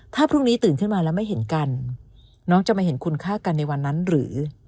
ถ้าพรุ่งนี้ตื่นขึ้นมาแล้วไม่เห็นกันน้องจะมาเห็นคุณค่ากันในวันนั้นหรือ